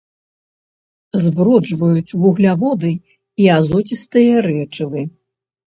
Зброджваюць вугляводы і азоцістыя рэчывы.